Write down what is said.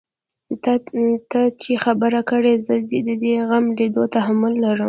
ته چا خبره کړې چې زه د دې غم ليدو تحمل لرم.